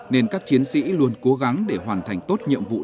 nên các chiến sĩ luôn cố gắng để hoàn thành tốt nhiệm vụ được sao